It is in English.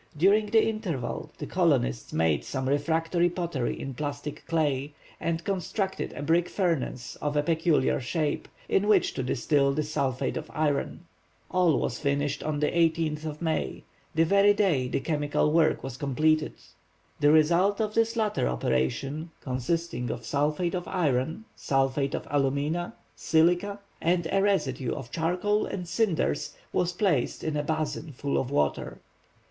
During the interval the colonists made some refractory pottery in plastic clay, and constructed a brick furnace of a peculiar shape, in which to distil the sulphate of iron. All was finished on the 18th of May, the very day the chemical work was completed. The result of this latter operation, consisting of sulphate of iron, sulphate of alumina, silica, and a residue of charcoal and cinders, was placed, in a basin full of water.